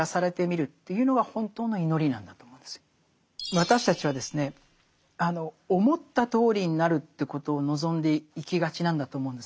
私たちはですね思ったとおりになるということを望んでいきがちなんだと思うんです。